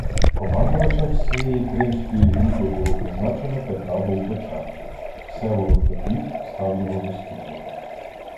Командувачем всієї Кримської групи було призначено Петра Болбочана, Всеволод Петрів став його заступником.